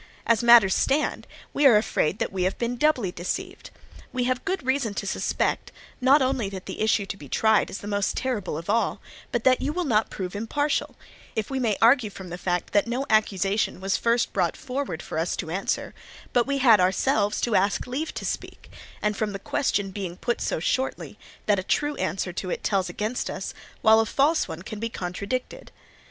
As matters stand, we are afraid that we have been doubly deceived. We have good reason to suspect, not only that the issue to be tried is the most terrible of all, but that you will not prove impartial; if we may argue from the fact that no accusation was first brought forward for us to answer, but we had ourselves to ask leave to speak, and from the question being put so shortly, that a true answer to it tells against us, while a false one can be contradicted.